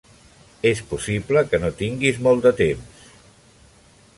És possible que no tinguis molt de temps.